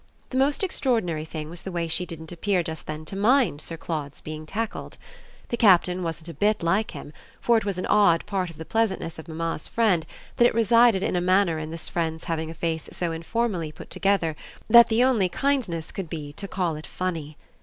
The most extraordinary thing was the way she didn't appear just then to mind Sir Claude's being tackled. The Captain wasn't a bit like him, for it was an odd part of the pleasantness of mamma's friend that it resided in a manner in this friend's having a face so informally put together that the only kindness could be to call it funny.